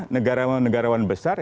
negara negara wan besar